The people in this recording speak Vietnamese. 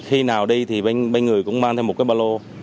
khi nào đi thì bên người cũng mang thêm một cái ba lô